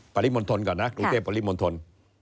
ปริมณฑลก่อนนะกรุงเทพปริมณฑล